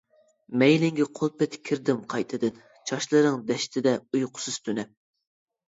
مەيلىڭگە قۇل پېتى كىردىم قايتىدىن، چاچلىرىڭ دەشتىدە ئۇيقۇسىز تۈنەپ.